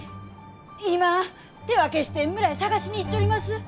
今手分けして村へ捜しに行っちょります！